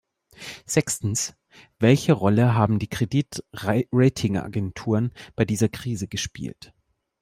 Sechstens, welche Rolle haben die Kredit-Ratingagenturen bei dieser Krise gespielt.